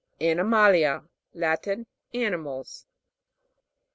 ANIMA'LIA. Latin. Animals.